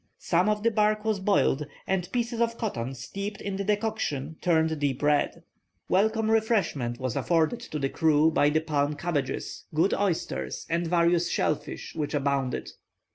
Some of the bark was boiled, and pieces of cotton steeped in the decoction turned deep red. Welcome refreshment was afforded to the crew by the palm cabbages, good oysters, and various shell fish which abounded.